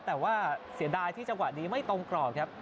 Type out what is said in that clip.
แต่ว่าเสียดายที่จังหวะนี้ไม่ตรงกรอบครับ